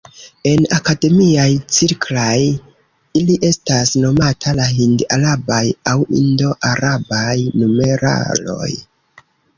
En akademiaj cirklaj ili estas nomata la "Hind-Arabaj" aŭ "Indo-Arabaj" numeraloj.